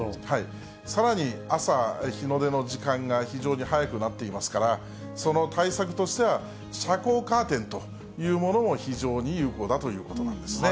さらに、朝、日の出の時間が非常に早くなっていますから、その対策としては、遮光カーテンというものも非常に有効だということなんですね。